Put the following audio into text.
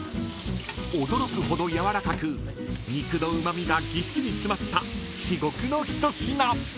［驚くほどやわらかく肉のうま味がぎっしり詰まった至極のひと品］